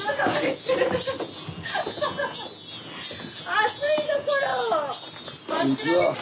暑いところを！